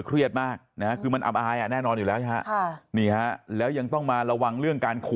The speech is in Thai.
พอถือโทรศัพท์หนูจะพยายามระวังตัวเองมาก